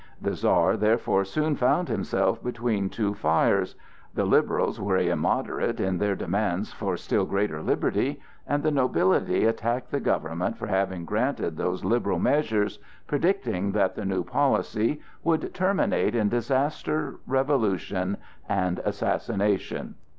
The Czar therefore soon found himself between two fires: the Liberals were immoderate in their demands for still greater liberty, and the nobility attacked the government for having granted those liberal measures, predicting that the new policy would terminate in disaster, revolution, and assassination.